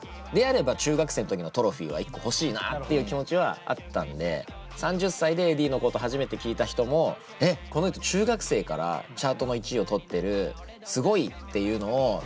であれば中学生の時のトロフィーは１個欲しいなっていう気持ちはあったんで３０歳でｅｄｈｉｉｉのこと初めて聞いた人も「えっこの人中学生からチャートの１位を取ってる！